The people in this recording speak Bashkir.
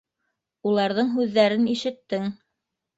Уларҙың һүҙҙәрен ишеттең.